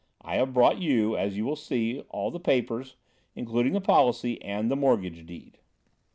I have brought you, as you will see, all the papers, including the policy and the mortgage deed."